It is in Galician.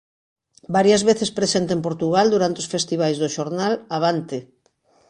Varias veces presente en Portugal durante os festivais do xornal "Avante!